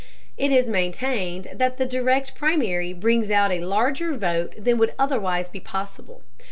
It is maintained that the Direct Primary brings out a larger vote than would otherwise be possible.